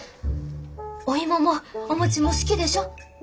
お芋もお餅も好きでしょ。